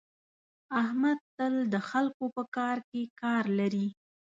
احمد تل د خلکو په کار کې کار لري.